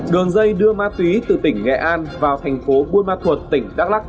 đường dây đưa ma túy từ tỉnh nghệ an vào thành phố buôn ma thuột tỉnh đắk lắc